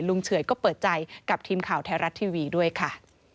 เฉื่อยก็เปิดใจกับทีมข่าวไทยรัฐทีวีด้วยค่ะ